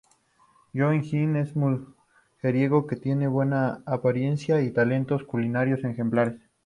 Woo Jin es un mujeriego, que tiene buena apariencia y talentos culinarios ejemplares.